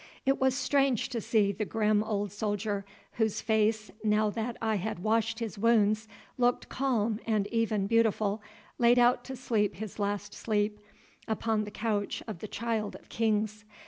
It was strange to see the grim old soldier, whose face, now that I had washed his wounds, looked calm and even beautiful, laid out to sleep his last sleep upon the couch of the Child of Kings.